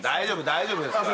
大丈夫ですから。